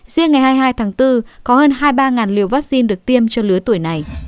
riêng ngày hai mươi hai tháng bốn có hơn hai mươi ba liều vaccine được tiêm cho lứa tuổi này